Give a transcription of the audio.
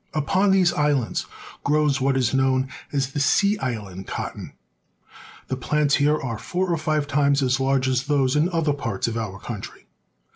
Upon these islands grows what is known as the sea island cotton. The plants here are four or five times as large as those in other parts of our country.